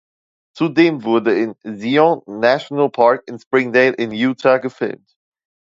Zudem wurde im Zion National Park in Springdale in Utah gefilmt.